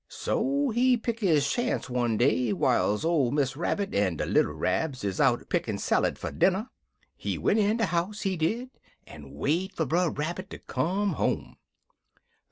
So he pick his chance one day whiles ole Miss Rabbit en de little Rabs is out pickin' sallid for dinner. He went in de house, he did, en wait fer Brer Rabbit ter come home.